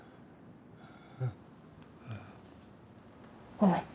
ごめん。